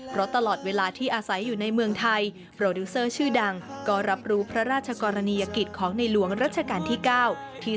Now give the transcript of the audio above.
เพราะตลอดเวลาที่อาศัยอยู่ในเมืองไทยโปรดิวเซอร์ชื่อดังก็รับรู้พระราชกรณียกิจของในหลวงรัชกาลที่๙ที่